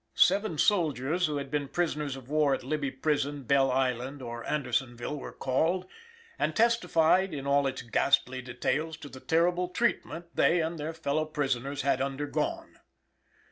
Seven soldiers who had been prisoners of war at Libby Prison, Belle Island or Andersonville were called and testified, in all its ghastly details, to the terrible treatment they and their fellow prisoners had undergone.